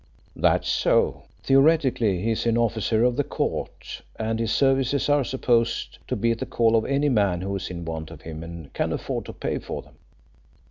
"That's so. Theoretically he is an officer of the Court, and his services are supposed to be at the call of any man who is in want of him and can afford to pay for them.